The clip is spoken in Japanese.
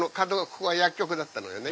ここが薬局だったのよね。